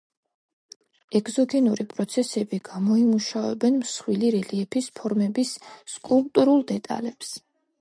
ეგზოგენური პროცესები გამოიმუშავებენ მსხვილი რელიეფის ფორმების სკულპტურულ დეტალებს.